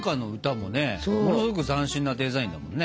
ものすごく斬新なデザインだもんね。